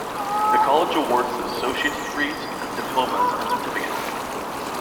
The college awards the associate's degree, diplomas, and certificates.